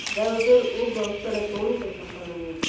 دا یو ډېر اوږد او ستړی کوونکی سفر و.